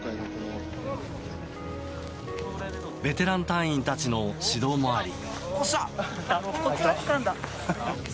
ベテラン隊員たちの指導もあり。